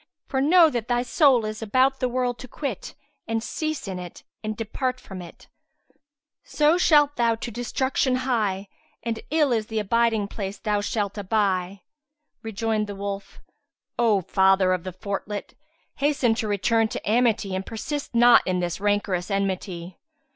For know that thy soul is about the world to quit and cease in it and depart from it; so shalt thou to destruction hie and ill is the abiding place thou shalt aby!"[FN#153] Rejoined the wolf, "O Father of the Fortlet, hasten to return to amity and persist not in this rancorous enmity.